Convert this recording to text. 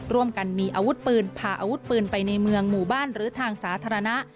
ร่วมกันมีอวุฒย์ปืนผ่าอสบูรณ์ไปในเมืองหมู่บ้านหรือทางสาธารณะ